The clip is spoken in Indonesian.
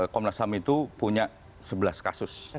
komnas ham itu punya sebelas kasus